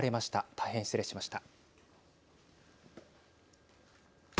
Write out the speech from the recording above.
大変失礼しました。